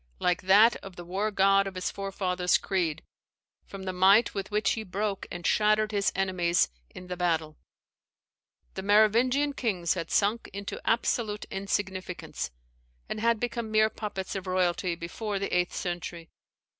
] like that of the war god of his forefathers' creed, from the might with which he broke and shattered his enemies in the battle. The Merovingian kings had sunk into absolute insignificance, and had become mere puppets of royalty before the eighth century.